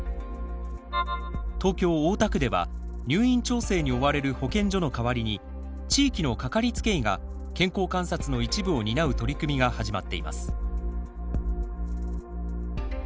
東京・大田区では入院調整に追われる保健所の代わりに地域のかかりつけ医が健康観察の一部を担う取り組みが始まっています。